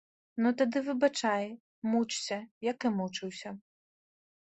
Ну, тады выбачай, мучся, як і мучыўся.